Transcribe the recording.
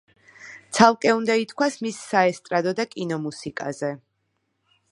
ცალკე უნდა ითქვას მის საესტრადო და კინო მუსიკაზე.